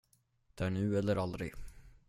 Det är nu eller aldrig.